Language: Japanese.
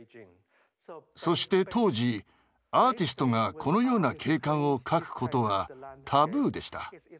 そして当時アーティストがこのような景観を描くことはタブーでした。